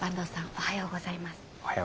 おはようございます。